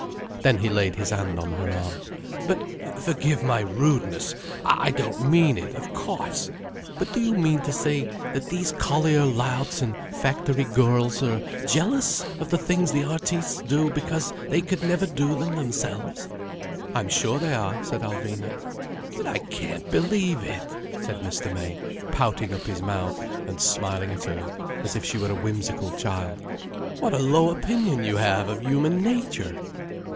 Then he laid his hand on her arm. "But forgive my rudeness! I don't mean it, of cauce! But do you mean to say that these collier louts and factory girls are jealous of the things the artistes do, because they could never do them themselves?" "I'm sure they are," said Alvina. "But I can't believe it," said Mr. May, pouting up his mouth and smiling at her as if she were a whimsical child. "What a low opinion you have of human nature!"